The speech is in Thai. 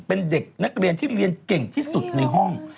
เป็นเด็กนักเรียนที่เรียนเก่งที่สุดในห้อง